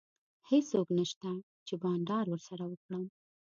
هیڅوک نشته چي بانډار ورسره وکړم.